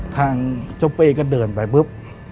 ทางเจ้าเป้ก็เดินไปปุ๊บ